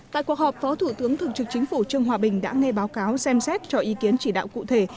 tại cuộc họp phó thủ tướng thường trực chính phủ trương hòa bình đã nghe báo cáo xem xét cho ý kiến chỉ đạo cụ thể